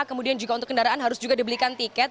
kemudian juga untuk kendaraan harus juga dibelikan tiket